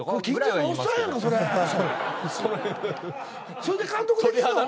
それで監督できんの？